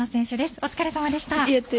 お疲れさまでした。